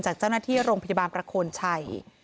จากเจ้าหน้าที่โรงพยาบาลประโคนชัย